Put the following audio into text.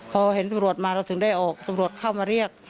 พอเห็นตำรวจมาเราถึงได้ออกตำรวจเข้ามาเรียก